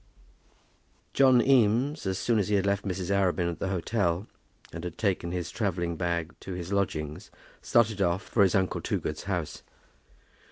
John Eames, as soon as he had left Mrs. Arabin at the hotel and had taken his travelling bag to his own lodgings, started off for his uncle Toogood's house.